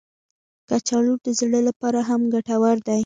کچالو د زړه لپاره هم ګټور دي